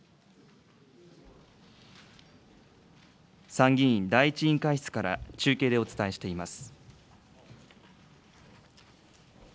参議院第１委員会室から中継でお伝えしています。